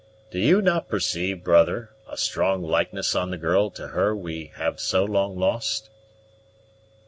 Do you not perceive, brother, a strong likeness on the girl to her we have so long lost?"